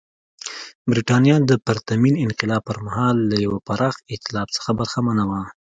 برېټانیا د پرتمین انقلاب پر مهال له یوه پراخ اېتلاف څخه برخمنه وه.